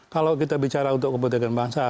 kalau kita bicara untuk kepentingan bangsa